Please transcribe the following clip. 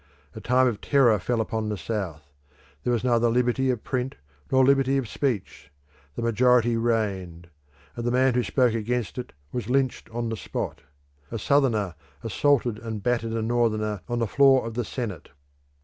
A time of terror fell upon the South; there was neither liberty of print nor liberty of speech; the majority reigned; and the man who spoke against it was lynched upon the spot. A Southerner assaulted and battered a Northerner on the floor of the Senate.